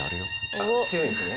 あっ強いんですね。